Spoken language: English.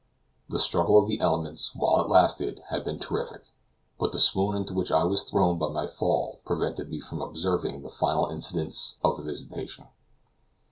The struggle of the elements, while it lasted, had been terrific, but the swoon into which I was thrown by my fall prevented me from observing the final incidents of the visitation.